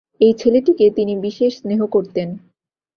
এই ছেলেটিকে তিনি বিশেষ স্নেহ করতেন।